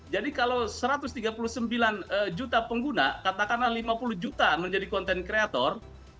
jadi kalau satu ratus tiga puluh sembilan juta pengguna katakanlah lima puluh juta menjadi content creator